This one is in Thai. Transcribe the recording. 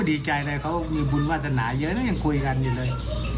ดีใจเลยเขามีบุญวาสนาเยอะแล้วยังคุยกันอยู่เลย